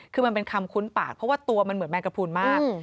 คือมันเป็นคำคุ้นปากเพราะว่าตัวมันเหมือนแมงกระพูนมาก